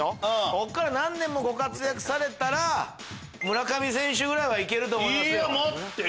ここから何年もご活躍されたら村上選手はいけると思います。